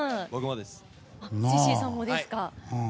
ジェシーさんもですか。